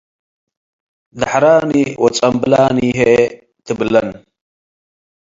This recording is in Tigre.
“ደሐራኒ ወጸምብላኒ” ህዬ ትብለን ።